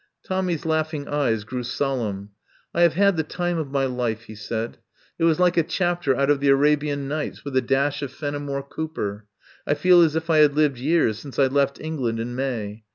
Tommy's laughing eyes grew solemn. "I have had the time of my life," he said. "It was like a chapter out of the Arabian Nights with a dash of Fenimore Cooper. I feel as if I had lived years since I left Eng land in May.